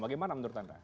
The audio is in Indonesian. bagaimana menurut anda